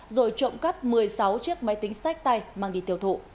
rồi trộm cắp một mươi sáu chiếc máy tính sách tay mang đi tiêu thụ